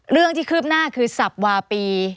เรื่องที่คืบหน้าคือสับวาปี